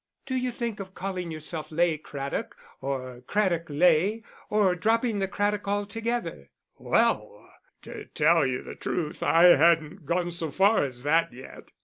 "Do you think of calling yourself Ley Craddock or Craddock Ley, or dropping the Craddock altogether?" "Well, to tell you the truth, I hadn't gone so far as that yet."